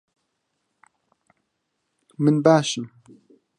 دز و جەردە و بەدکردار